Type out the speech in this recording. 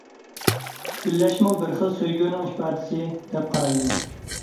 كۈنلەشمۇ بىر خىل سۆيگۈنىڭ ئىپادىسى، دەپ قارايمەن.